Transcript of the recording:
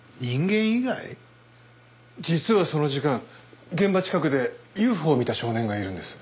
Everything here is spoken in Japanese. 実はその時間現場近くでＵＦＯを見た少年がいるんです。